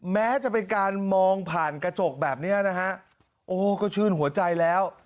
แม้จะเป็นการมองผ่านกระจกแบบเนี้ยนะฮะโอ้ก็ชื่นหัวใจแล้ว